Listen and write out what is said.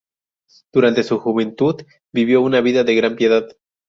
Durante su juventud vivió una vida de gran piedad.